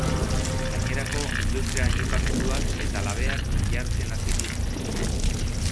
Gainerako industria-ekipamenduak eta labeak jartzen hasi dira.